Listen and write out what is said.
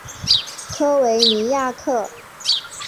科维尼亚克。